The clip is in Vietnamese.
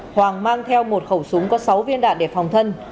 hoàng mang theo một khẩu súng có sáu viên đạn để phòng thân